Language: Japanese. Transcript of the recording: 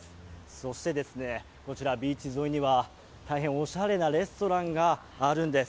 そして、こちらビーチ沿いには大変おしゃれなレストランがあるんです。